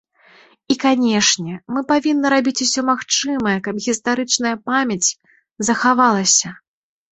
І канешне, мы павінны рабіць усё магчымае, каб гістарычная памяць захавалася.